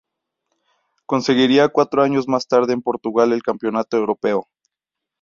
Conseguiría cuatro años más tarde en Portugal el Campeonato Europeo.